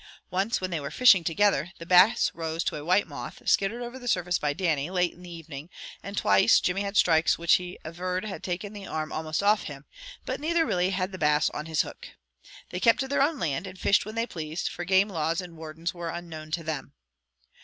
Once, when they were fishing together, the Bass rose to a white moth, skittered over the surface by Dannie late in the evening, and twice Jimmy had strikes which he averred had taken the arm almost off him, but neither really had the Bass on his hook. They kept to their own land, and fished when they pleased, for game laws and wardens were unknown to them.